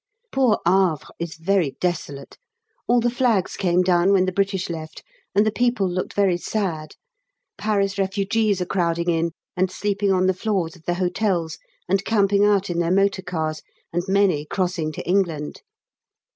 Poor Havre is very desolate. All the flags came down when the British left, and the people looked very sad. Paris refugees are crowding in, and sleeping on the floors of the hotels, and camping out in their motor cars, and many crossing to England.